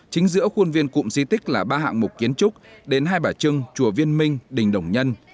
chính giữa khuôn viên cụm di tích là ba hạng mục kiến trúc đền hai bà trưng chùa viên minh đình đồng nhân